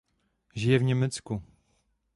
Žije v Německu.